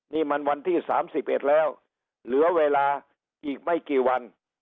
นี่มันวันที่๓๑แล้วเหลือเวลาอีกไม่กี่วัน